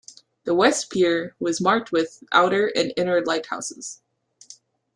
The west pier was marked with outer and inner lighthouses.